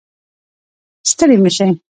ستړي مه شئ